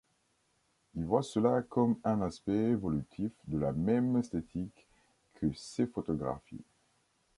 Il voit cela comme un aspect évolutif de la même esthétique que ses photographies.